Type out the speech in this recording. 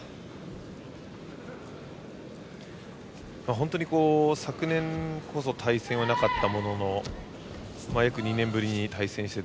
本当に昨年こそ対戦はなかったものの約２年ぶりに対戦して。